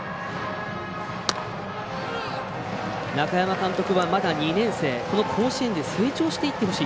中山監督はまだ２年生この甲子園で成長していってほしい。